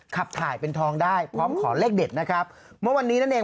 ขับถ่ายเป็นทองได้พร้อมขอเลขเด็ดนะครับเมื่อวันนี้นั่นเอง